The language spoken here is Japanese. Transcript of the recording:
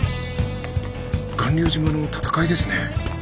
巌流島の戦いですね。